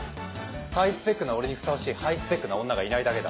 ハイスペックな俺にふさわしいハイスペックな女がいないだけだ。